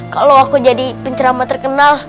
kalau aku jadi penceramah terkenal